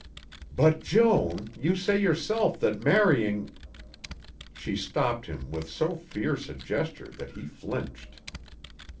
"But, Joan, you say yourself that marrying " She stopped him with so fierce a gesture that he flinched.